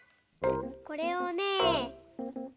これをね